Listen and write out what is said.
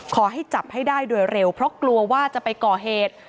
ขอให้จับให้ได้โดยเร็วเพราะกลัวว่าจะไปก่อเหตุ